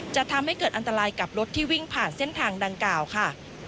จะทำให้เกิดอันตรายกับรถที่วิ่งผ่านเส้นทางดังกล่าวค่ะ